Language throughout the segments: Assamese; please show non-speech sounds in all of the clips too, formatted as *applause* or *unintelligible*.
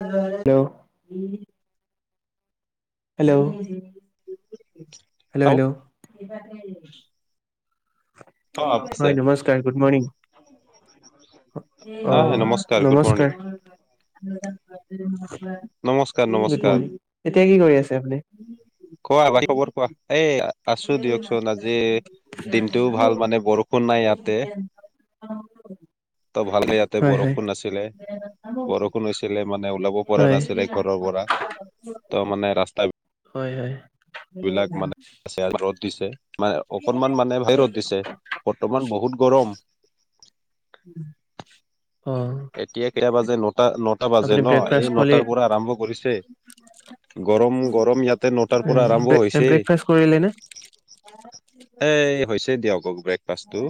হেল্ল'। Hello, hello, hello. অ', আছে। হয় নমস্কাৰ গুড মৰ্ণিং অ', নমস্কাৰ। গুড মৰ্ণিং, এতিয়া কি নমস্কাৰ নমস্কাৰ কৰি আছে আপুনি? কোৱা বাৰিৰ খবৰ কোৱা? এই আছোঁ দিয়কচোন, আজি দিনটোও ভাল, মানে বৰষুণ নাই ইয়াতে। অ'। ভালকে ইয়াতে বৰষুণ নাছিলে, বৰ হৈছিলে, মানে ওলাব পৰা হয় নাছিলে ঘৰৰ পৰা, ত' মানে ৰাস্তা বি হয়, হয়। বিলাক মানে ৰ'দ দিছে, মানে অকনমান মানে ৰ'দ দিছে। বৰ্তমান বহুত গৰম। অ'। এতিয়া কেইটা বাজে, নটা- নটা বাজে আপুনি ন, এই ব্ৰেকফাষ্ট কৰি নটাৰ পৰা আৰম্ভ কৰিছে। গৰম, গৰম ইয়াতে নটাৰ পৰা আৰম্ভ হৈছে। ব্ৰেকফাষ্ট কৰিলে নে এই হৈছে দিয়ক ব্ৰেকফাষ্টটো।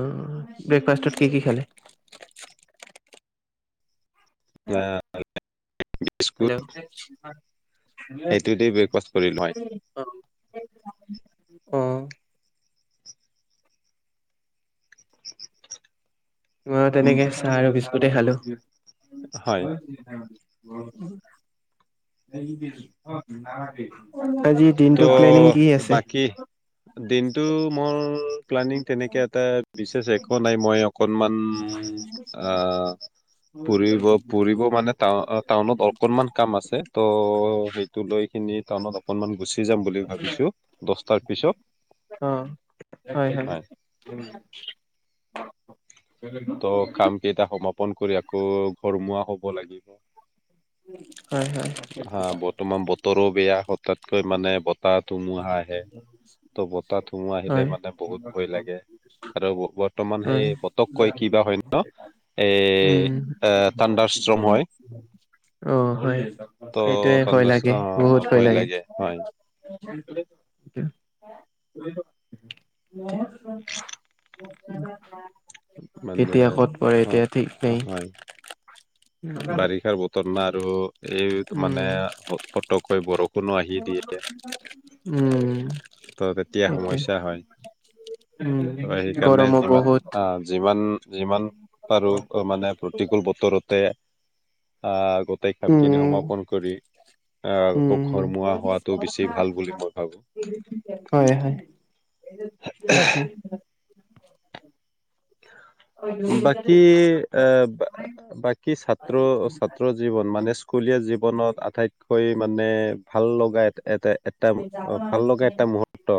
অ', ব্ৰেকফাষ্টত কি কি খালে? না হেল্ল' *unintelligible* সেইটো দি ব্ৰেকফাষ্ট কৰিলো হয় *unintelligible* অহ। মইয়ো উম তেনেকেই চাহ আৰু বিস্কুতেই খালোঁ। হয় *unintelligible* আজি ত' দিনটোৰ প্লেনিং কি আছে? বাকী দিনটো মোৰ প্লানিং তেনেকে এটা বিশেষ একো নাই। মই অকনমান উম, আ, ফুৰিব ফুৰিব মানে টা টাউনত অকনমান কাম আছে, ত' সেইটো লৈ কিনি টাউনত অকনমান গুচি যাম। বুলি ভাবিছোঁ, দচটাৰ পিছত। অ হয়। *unintelligible* ত' কাম কেইটা সমাপন কৰি আকৌ ঘৰমুৱা হ'ব লাগিব। হয় হয় হা, বৰ্তমান বতৰো বেয়া, হঠাৎকৈ মানে বতাহ ধুমুহা আহে। ত' বতাহ ধুমুহা আহিলে হয় মানে বহুত ভয় লাগে আৰু বৰ্তমান সেই হয় ফতক কৈ কিবা হয় ন? এ, উম, আ টাণ্ডাৰ ষ্টৰ্ম হয়। অ' হয়। ত', সেইটোয়ে ভয় লাগে, *unintelligible* বহুত অ', ভয় লাগে, হয়। *unintelligible* *unintelligible* *unintelligible* মানে কেতিয়া, ক'ত পৰে, এতিয়া। অ *unintelligible* হয় বাৰিষাৰ বতৰ না আৰু এই উম, মানে অ পটকৈ বৰষুণো আহি দিয়ে। উম। ত' তেতিয়া সেইটোৱে। সমস্যা হয়। উম, ত' সেইকাৰণে গৰমো যিমান বহুত। আ, যিমান যিমান পাৰোঁ অ মানে প্ৰতিকূল বতৰতে আ গ টাই কামখিনি উম, সমাপন কৰি আ, আকৌ উম, ঘৰমুৱা হোৱাটো বেছি ভাল বুলি মই ভাবোঁ। হয় হয়, সেইটোৱে। বাকি আ, বাকি ছাত্ৰ ছাত্ৰ জীৱন মানে স্কুলীয়া জীৱনত আটাইতকৈ মানে ভাল লগা এ, এতে এ টা অ' ভাল লগা এটা মুহুৰ্ত,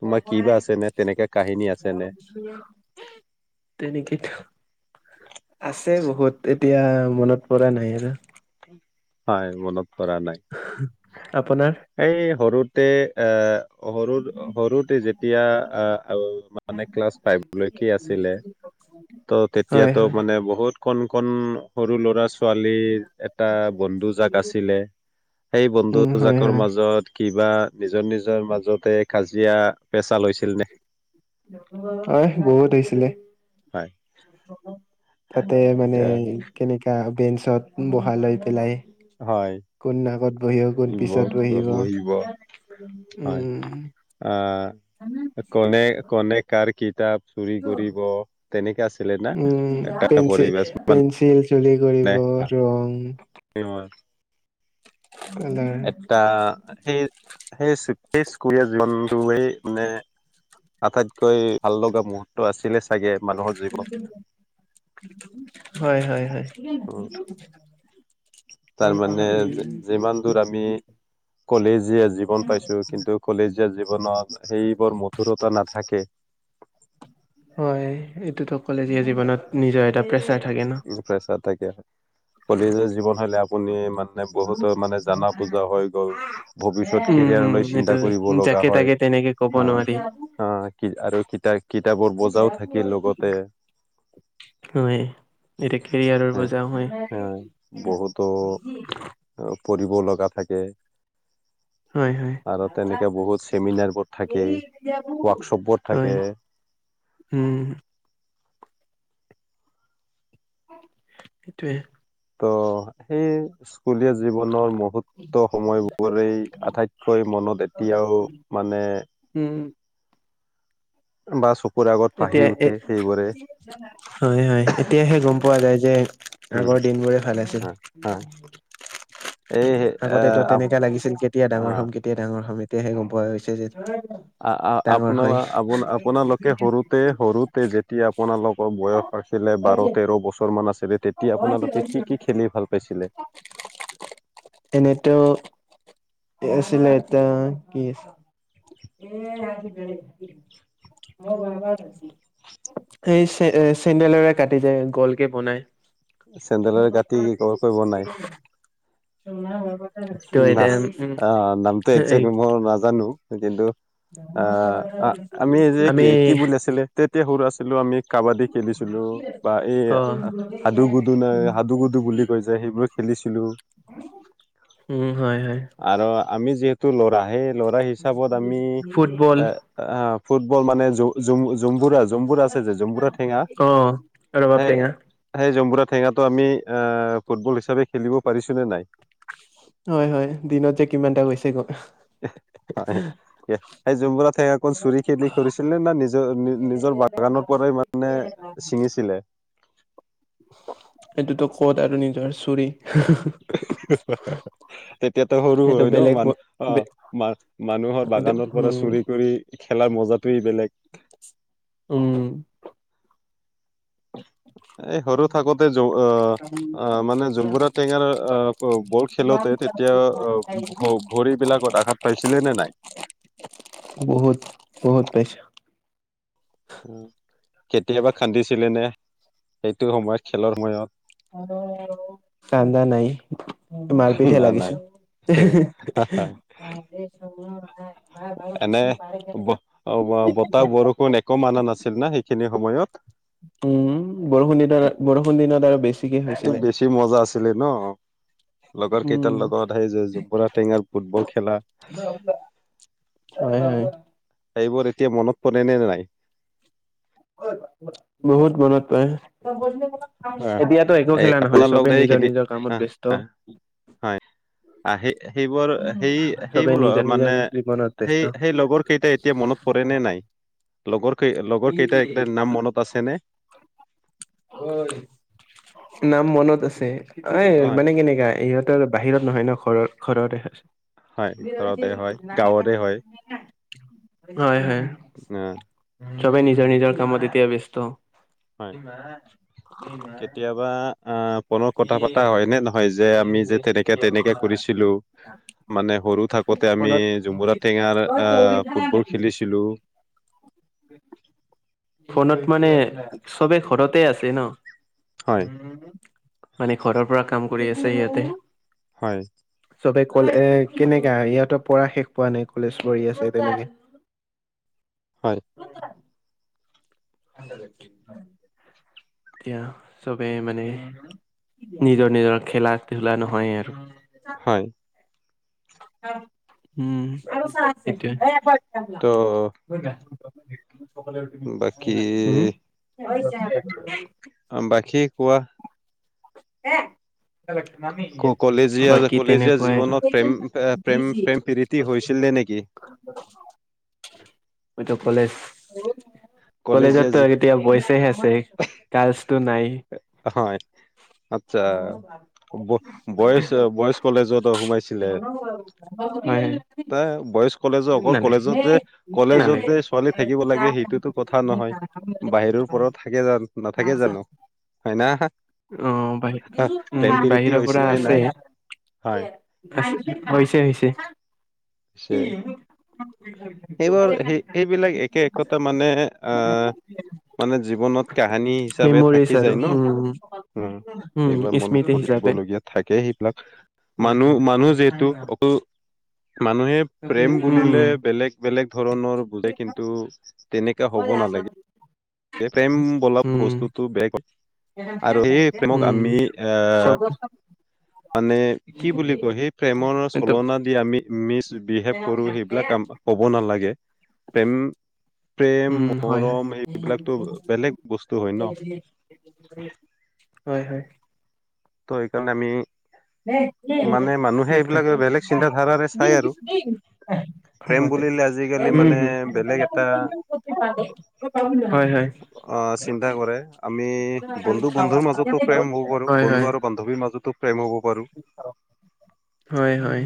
তোমাৰ কিবা আছেনে, তেনেকা কাহিনী আছেনে? তেনেকেতো। আছে বহুত, এতিয়া মনত পৰা নাই আৰু। হয়, মনত পৰা নাই। আপোনাৰ? এই সৰুতে এ সৰু সৰুতে যেতিয়া আ, মানে ক্লাছ ফাইভলৈকে আছিলে। *inaudible* ত' হয়, তেতিয়াতো হয়। মানে বহুত কন কন সৰু ল'ৰা ছোৱালী এটা বন্ধু জাক আছিলে, সেই উম, হয়, বন্ধুজাকৰ হয়। মাজত কিবা নিজৰ নিজৰ মাজতে কাজিয়া পেচাল হৈছিলনে? হয়, বহুত হৈছিলে। হয় তাতে মানে এ কেনেকা বেঞ্চত বহালৈ পেলাই। হয়। কোন আগত বহিব, কোন ইব পিছত বহিব, উম। আ, কনে কনে কাৰ কিতাপ চুৰি কৰিব। তেনেকে আছিলে না? উম এটা পেঞ্চিল পৰিবেশ পেঞ্চিল চুলি কৰিব মানে *unintelligible* ৰং *unintelligible* কালাৰ এটা সেই সেই সেই স্কুলীয়া জীৱনটোৱেই মানে আটাইতকৈ ভাল লগা মুহুৰ্ত আছিলে চাগে মানুহৰ জীৱনত। হয়', হয়', হয়',। উম, তাৰমানে যিমান দূৰ আমি, কলেজীয়া জীৱন পাইছোঁ কিন্তু কলেজীয়া জীৱনত, সেইবোৰ মধুৰতা নাথাকে। হয়', এইটোত কলেজীয়া জীৱনত নিজৰ এটা প্ৰেচাৰ থাকে ন'। প্ৰেচাৰ থাকে। কলেজীয়া জীৱন হ'লে আপুনি মান মানে বহুতো মানে জানা বোজা হৈ গ'ল, ভৱিষ্যত উম উম কেৰিয়াৰলৈ এইটো চিন্তা কৰিব লগা যাকে হয়। তাকে তেনেকে ক'ব নোৱাৰি। অ', কি আৰু কিতা- কিতাপৰ বুজাওঁ থাকিল লগতে। হয়', এতিয়া এ কেৰিয়াৰৰ এ বোজা হয়'। *inaudible* অ' পঢ়িব লগা থাকে। হয় হয় আৰু তেনেকে বহুত চেমিনাৰবোৰ থাকে, ৱাকশ্বপবোৰ থাকে। হুম',। সেইটোৱে। ত' সেই স্কুলীয়া জীৱনৰ মুহুত ত' সময়বোৰেই আটাইতকৈ মনত এতিয়াও মানে উম',। বা চকুৰ আগত এতিয়া বাহি এ উঠে সেইবোৰে। হয়', হয়', এতিয়াহে গম পোৱা যায় যে উম আগৰ দিনবোৰে ভাল আছিল। হয় হয় এই এ আগতেটো আপ তেনেকা লাগিছিল, কেতিয়া ডাঙৰ হম। অ'। কেতি কেতিয়া ডাঙৰ হম। এতিয়াহে গম পোৱা গৈছে যে আ'- আ'- ডাঙৰ হয় আপোনালো- আপোনা- আপোনালোকে সৰুত তে সৰুতে যেতিয়া আপোনালোকৰ বয়স আছিলে বাৰ, তেৰ বছৰ মান আছিলে তেতিয়া তেতিয়া আপোনালোকে কি কি খেলি ভাল পাইছিলে? এনেতো কি আছিলে এইটো? এটা কি আছিলে? *unintelligible* সেই চে- চেন্দেলৰে কাটে যে, গ'ল কে বনাই? চেন্দেলৰে কাটি গোল কৈ বনাই? *unintelligible* এতিয়া নাহ উম আ' নামটো এই একজেক্ট মই নাজানো! কিন্তু আ' আ' আমি এইযে কি কি বুলি আছিলে? তেতিয়া সৰু আছিলোঁ আমি। কাবাডী খেলিছিলোঁ, বা এই অ হা হাদু-গুডু নে হাদু-গুডু বুলি কয় যে সেইবোৰ খেলিছিলোঁ। উম', হয়', হয়',। আৰু আমি যিহেতু ল'ৰা, সেই ল'ৰা হিচাপত আমি ফুটবল এ' আ' ফুটবল মানে জ'- জুম- জুম্বুৰাজ। জম্বুৰ আছে যে জম্বুৰা টেঙা, অ ৰবাব সেই টেঙা সেই জম্বুৰা টেঙাটো আমি এ', ফুটবল হিচাপে খেলিব পাৰিছোঁ নে নাই? হয়', হয়', দিনত যে কিমানটা গৈছে গৈ জম্বুৰা টেঙা অকল চুৰি কৰি খেলিছিলে নে? নিজৰ নি- নিজৰ বাগানৰ পৰাই মানে ছিঙিছিলে? এইটোতো ক'ত আৰু নিজৰ চুৰি। *unintelligible* তেতিয়াটো সৰু এইটো হয় ন বেলেগ মানু অঁ মা মানুহৰ এইটো বাগানৰ পৰা উম চুৰি কৰি- খেলা মজাটোৱেই বেলেগ। উমঁ! *inaudible* এই সৰু থাকোতে জ' আ- অঁ 'মানে জুম্বুৰা টেঙাৰ অঁ, ব -বল খেলোতে তেতিয়া অঁ, ভ- ভৰিবলাকত আঘাত- পাইছিলে নে নাই? বহুত, বহুত পাইছোঁ। কেতিয়াবা কান্দিছিলে নে? সেইটো সময়ত খেলৰ সময়ত? হেৰৌ! হেৰৌ! কান্দা নাই মাৰপিটহে না নাই লাগিছোঁ এসোহা। *unintelligible* এনে ব ওৱাৱ বতাহ বৰষুণ একো মানা নাছিল ন সেইখিনি সময়ত? উমঁ, বৰষুণ দি থাকা, বৰষুণ দিনত আৰু বেছিকে হৈছিলে। টো বেছি মজা আছিলে ন? লগৰ উম কেইটাৰ লগত সেই যে, জম্বুৰা টেঙা ফুটবল খেলা। হয়, হয়। সেইবোৰ এতিয়া মনত পৰেনে নে নাই? বহুত মনত পৰে। আ এতিয়াতো একো এই খেলেই নহয়, আপোনাৰ লগতে চবেই নিজৰ খেলি নিজৰ কামত আহ ব্যস্ত। হয় আহ সেই সেইবোৰ সেই চবেই সেইবোৰ নিজৰ মানে নিজৰ জীৱনত সেই ব্যস্ত। সেই লগৰ কেইটা এতিয়া মনত পৰে নে নাই? লগৰ কেই লগৰ কেইটা একটা নাম মনত আছে নে? নাম মনত আছে। এই হয় মানে কেনেকা ইহঁতৰ বাহিৰত নহয় ন ঘৰৰ ঘৰতে হয়। হয় ঘৰতে হয় গাঁৱৰে হয় হয়ঁ হয়ঁ। না। চবে নিজৰ নিজৰ কামত এতিয়া ব্যস্ত। হয় কেতিয়াবা আহ ফোনত কথা পতা এনে নহয় যে আমি যে তেনেকে তেনেকে কৰিছিলোঁ। মানে সৰু থাকোতে আমি ফোনত ঝুমুৰা টেঙাৰ আহ ফুটবল খেলিছিলোঁ। ফোনত মানে চবে ঘৰতে আছে ন। হয় মানে ঘৰৰ পৰা কাম কৰি আছে ইহঁতে। হয়ঁ! চবে কলে কেনেকা ইহঁতৰ পঢ়া শেষ হোৱা নাই কলেজ পঢ়ি আছে তেনেকে। হয়ঁ! *unintelligible* এতিয়া চবে মানে নিজৰ নিজৰ খেলা ধূলা নহয় আৰু। হয়ঁ! ওম আৰু চা ঠিকে। ত- বাকী হোম আম বাখী কোৱা। ক বাকী তেনেকুৱাই আৰু। এ প্ৰেম প্ৰেম প্ৰৰিতি হৈছিলে নেকি? এইটো কলেজ। কলেজীয়া কলেজতো জী এতিয়া বইছহে আছে গাৰ্লচতটো নাই। *unintelligible* *inaudible* আচ্ছা বইজ বইজ কলেজত সোমাইছিলে? হয়। ত ইএ বইজ কলেজত অকল নালাগে কলেজত যে কলেজত নালাগে। যে ছোৱালী থাকিব লাগে সেইটোতো। কথা নহয় বাহিৰৰ পৰাও থাকে জান নাথাকে জানোমাইনা নাহ অ বাহিৰ উম বাহিৰৰ হৈছিল পৰা নে আছে। নাই হয় হৈছে -হৈছে- *inaudible* এইবোৰ সেই এইবিলাক একে একতা মানে আহ মানে জীৱনত কাহানী হিচাপে থাকি যায় ন- উ- উম একবাৰ মনত পৰিবলগীয়া থাকে সেইবিলাক। হয় হয় মানুহ মানুহ যিহেতু অকল। মানুহে প্ৰেম উম বুলিলে বেলেগ -বেলেগ ধৰণৰ বুজে কিন্তু, তেনেকা হ'ব নালাগে প্ৰেম বলা উম বস্তুটো বেগ। আৰু সেই প্ৰেমক উম আমি আহ চব মানে কি বুলি কয় সেই প্ৰেমৰ এইটো চলনা দি আমি মিচ বিহেভ কৰো সেইবিলাক আমাৰ। হ'ব নালাগে প্ৰেম - প্ৰেমক। প্ৰম উম হয় হয় মৰম এইবিলাকতো বেলেগ বস্তু হয় ন পেমহয় -হয়। ত' সেইকাৰণে আমি- *unintelligible* মানে মানুহে এইবিলাক বেলেগ চিন্তাধাৰাৰে চাই আৰু প্ৰেম হুবদিয়ক বুলিলে আজিকালি মানে বেলেগ এটা হয় -হয়। অ চিন্তা কৰে আমি বন্ধু বন্ধুৰ মাজতো প্ৰেম হ'ব পাৰো হয় বন্ধু আৰু, বান্ধৱীৰ মাজতো প্ৰেম হ'ব পাৰোঁ। হয় -হয।